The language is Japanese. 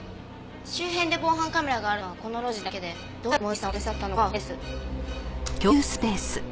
周辺で防犯カメラがあるのはこの路地だけでどうやって萌衣さんを連れ去ったのかは不明です。